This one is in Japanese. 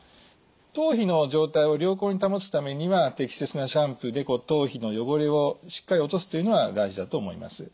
頭皮の状態を良好に保つためには適切なシャンプーで頭皮の汚れをしっかり落とすというのは大事だと思います。